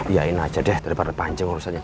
yain aja deh daripada panjang urusannya